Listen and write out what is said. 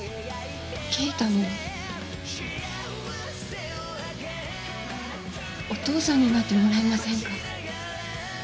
圭太のお父さんになってもらえませんか？